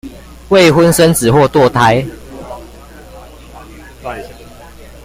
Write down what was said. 未婚生子或墮胎